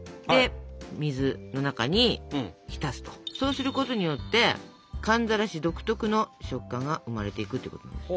そうすることによって寒ざらし独特の食感が生まれていくっていうことなんですよ。